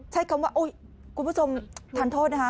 ใช้คำว่าคุณผู้ชมทานโทษนะคะ